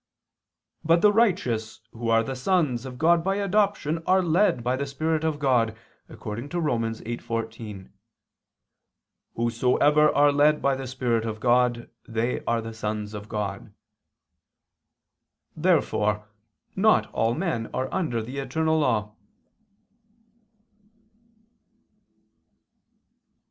But the righteous who are the sons of God by adoption, are led by the spirit of God, according to Rom. 8:14: "Whosoever are led by the spirit of God, they are the sons of God." Therefore not all men are under the eternal law.